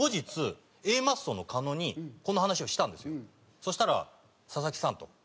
そしたら「佐々木さん